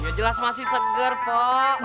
ya jelas masih seger kok